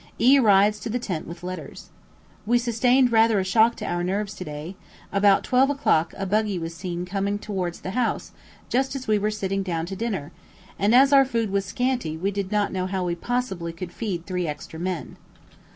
E rides to the tent with letters. We sustained rather a shock to our nerves to day; about 12 o'clock a buggy was seen coming towards the house just as we were sitting down to dinner, and as our food was scanty we did not know how we possibly could feed three extra men.